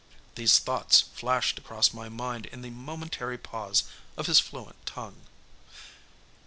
These thoughts flashed across my mind in the momentary pause of his fluent tongue.